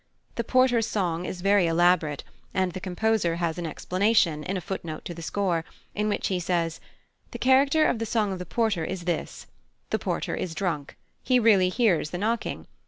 The Porter's song is very elaborate, and the composer has an explanation, in a footnote to the score, in which he says: "The character of the song of the Porter is this: The Porter is drunk. He really hears the knocking.